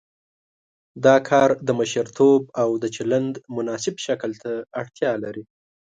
دا کار د مشرتوب او د چلند مناسب شکل ته اړتیا لري.